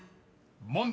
［問題］